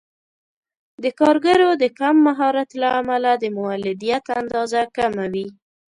د کارګرو د کم مهارت له امله د مولدیت اندازه کمه وي.